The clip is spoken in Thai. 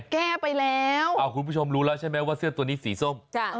แก้ไปแล้วคุณผู้ชมรู้แล้วใช่ไหมว่าเสื้อตัวนี้สีส้ม